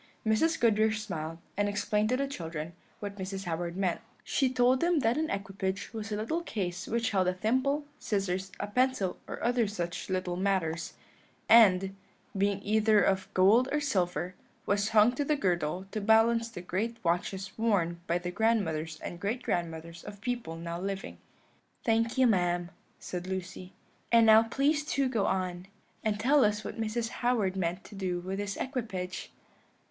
Mrs. Goodriche smiled, and explained to the children what Mrs. Howard meant: she told them that an equipage was a little case which held a thimble, scissors, a pencil, or other such little matters, and, being either of gold or silver, was hung to the girdle to balance the great watches worn by the grandmothers and great grandmothers of people now living. "Thank you, ma'am," said Lucy; "and now please to go on, and tell us what Mrs. Howard meant to do with this equipage."